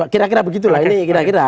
kira kira begitu lah ini kira kira